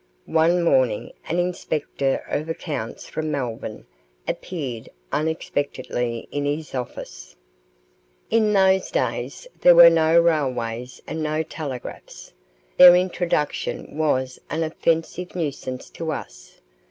One morning an Inspector of Accounts from Melbourne appeared unexpectedly in his office. In those days there were no railways and no telegraphs. Their introduction was an offensive nuisance to us.